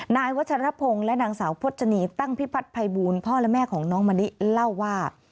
นายวัชรพงศ์และนางสาวพจนีตั้งพิพัฒนภัยบูลพ่อและแม่ของน้องมะนิเล่าว่า